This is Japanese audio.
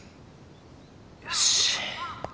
よし。